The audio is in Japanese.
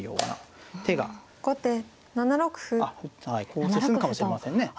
こう進むかもしれませんね。